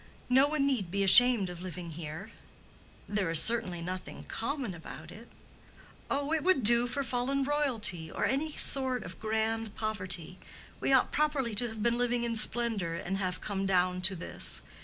No one need be ashamed of living here." "There is certainly nothing common about it." "Oh, it would do for fallen royalty or any sort of grand poverty. We ought properly to have been living in splendor, and have come down to this.